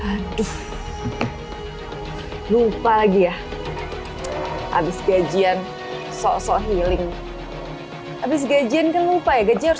aduh lupa lagi ya habis gajian sok sok healing habis gajian kan lupa ya gaji harus